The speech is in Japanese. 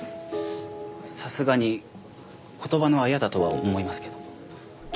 さすがに言葉のあやだとは思いますけど。